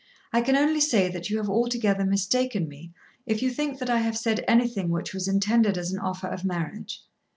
I can only say that you have altogether mistaken me if you think that I have said anything which was intended as an offer of marriage.